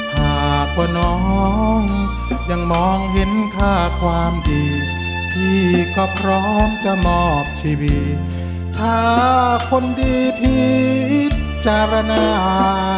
หากว่าน้องยังมองเห็นค่าความดีพี่ก็พร้อมจะมอบชีวิตถ้าคนดีพิจารณา